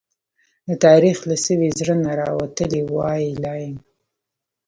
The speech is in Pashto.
د تاريخ له سوي زړه نه، راوتلې واوي لا يم